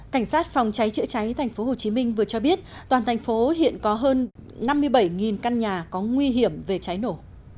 cảnh sát phòng cháy chữa cháy tp hcm vừa cho biết toàn thành phố hiện có hơn năm mươi bảy căn nhà có nguy hiểm về cháy nổ